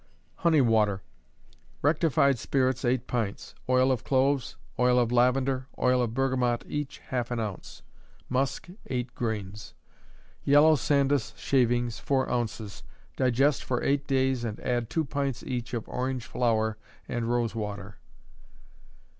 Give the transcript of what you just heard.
Honey Water. Rectified spirits, eight pints; oil of cloves, oil of lavender, oil of bergamot, each half an ounce; musk, eight grains; yellow sandus shavings, four ounces; digest for eight days and add two pints each of orange flower and rose water.